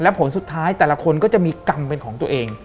และผลสุดท้ายแต่ละคนก็จะมีกรรมเป็นของตัวเอง